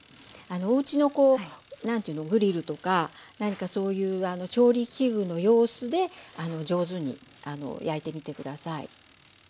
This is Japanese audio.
おうちのグリルとか調理器具の様子で上手に焼いてみて下さい。